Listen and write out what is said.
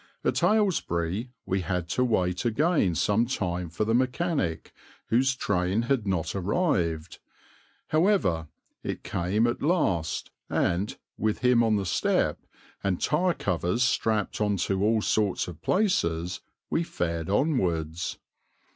At Aylesbury we had to wait again some time for the mechanic, whose train had not arrived; however, it came at last, and, with him on the step, and tire covers strapped on to all sorts of places, we fared onwards.